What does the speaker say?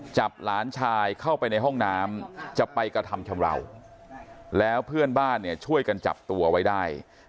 หลานชายเข้าไปในห้องน้ำจะไปกระทำชำราวแล้วเพื่อนบ้านเนี่ยช่วยกันจับตัวไว้ได้